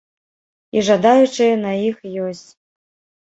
І жадаючыя на іх ёсць.